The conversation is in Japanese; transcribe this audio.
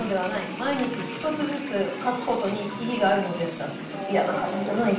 毎日一つずつ書くことにいぎがあるのです」だって。